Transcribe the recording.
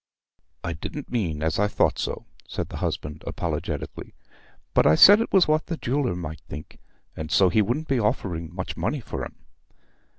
"I didn't mean as I thought so," said the husband, apologetically, "but I said it was what the jeweller might think, and so he wouldn't be offering much money for 'em."